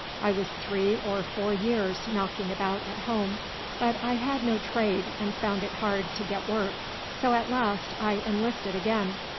I was three or four years knocking about at home; but I had no trade and found it hard to get work, so at last I enlisted again.